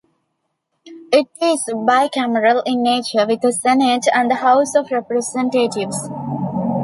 It is bicameral in nature with a Senate and the House of Representatives.